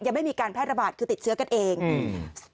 ยังไม่มีการแพร่ระบาดคือติดเชื้อกันเองอืม